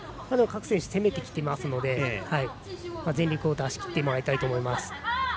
でも、各選手攻めてきていますので全力を出し切ってもらいたいと思います。